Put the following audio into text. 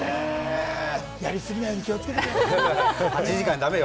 やりすぎないように気をつけてくださいよ。